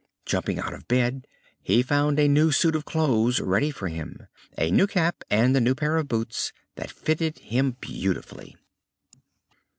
Jumping out of bed he found a new suit of clothes ready for him, a new cap, and a pair of new boots, that fitted him beautifully.